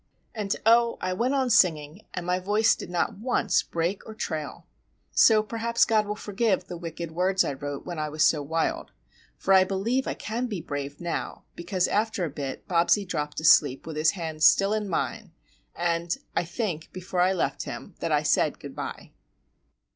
And, oh, I went on singing, and my voice did not once break or trail! So perhaps God will forgive the wicked words I wrote when I was so wild,—for I believe I can be brave now because after a bit Bobsie dropped asleep with his hand still in mine, and—I think, before I left him, that I said "good bye."